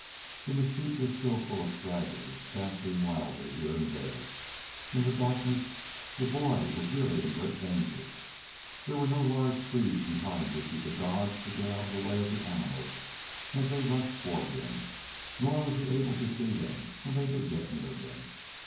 The mesquite was still full of stragglers dashing wildly here and there. In the darkness, the boy was really in great danger. There were no large trees behind which he could dodge to get out of the way of the animals as they rushed toward him, nor was he able to see them when they did get near him.